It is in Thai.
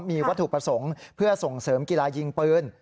มีวัตถุประสงค์เพื่อส่งเสริมกีฬายิงปืน